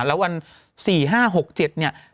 แล้ววัน๔๕๖๗เนี่ย